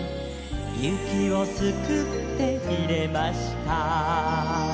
「雪をすくって入れました」